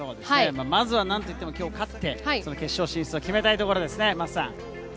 まずは今日勝って決勝進出を決めたいところです。